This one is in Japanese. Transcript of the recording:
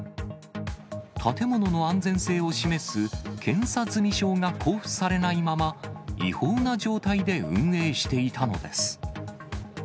建物の安全性を示す検査済証が交付されないまま、違法な状態で運営していたのです。